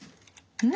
うん。